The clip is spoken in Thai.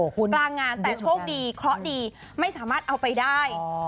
กลางงานแต่โชคดีเคราะห์ดีไม่สามารถเอาไปได้